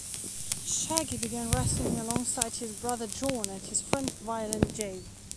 Shaggy began wrestling alongside his brother John and his friend Violent J.